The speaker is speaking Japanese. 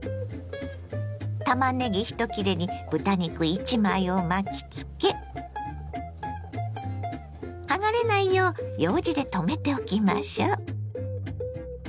たまねぎ１切れに豚肉１枚を巻きつけ剥がれないようようじでとめておきましょ。